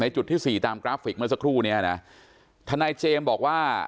จุดที่สี่ตามกราฟิกเมื่อสักครู่นี้นะทนายเจมส์บอกว่า